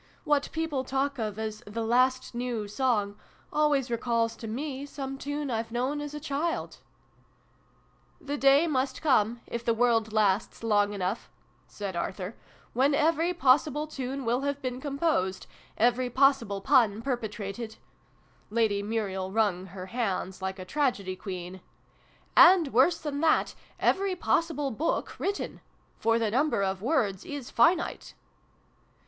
What people talk of as ' the last new song' always recalls to me some tune I've known as a child !"" The day must come if the world lasts long enough ' said Arthur, "when every possible tune will have been composed every possible pun perpetrated " (Lady Muriel wrung her hands, like a tragedy queen) "and, worse than that, every possible book written ! For the number of words is finite."